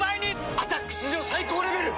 「アタック」史上最高レベル！